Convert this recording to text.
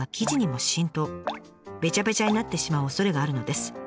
べちゃべちゃになってしまうおそれがあるのです。